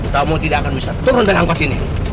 kamu tidak akan bisa turun dari angkot ini